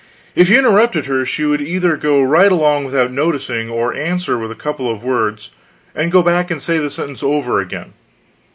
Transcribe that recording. If you interrupted her she would either go right along without noticing, or answer with a couple of words, and go back and say the sentence over again.